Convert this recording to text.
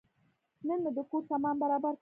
نن مې د کور سامان برابر کړ.